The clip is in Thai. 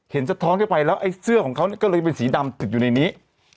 เห็นสตรองเข้าไปแล้วเสื้อของเขาก็เลยเป็นสีดำถึงอยู่ในนี้